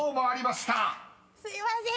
すいません！